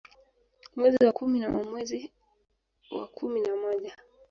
Mwezi wa kumi na wa mwezi wa kumi na moja